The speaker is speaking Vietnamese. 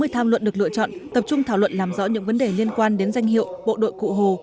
sáu mươi tham luận được lựa chọn tập trung thảo luận làm rõ những vấn đề liên quan đến danh hiệu bộ đội cụ hồ